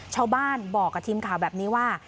ชาวบ้านบอกกับทีมข่าวแบบนี้ว่า